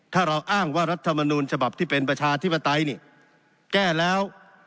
ถ้าเราอ้างว่ารัฐมนูลฉบับที่เป็นประชาธิปไตยนี่แก้แล้ว